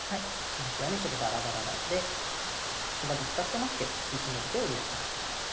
先手はねちょっとバラバラなので歩がぶつかってますけど引き締める手を優先しました。